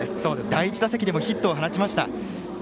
第１打席でもヒットを放ちました。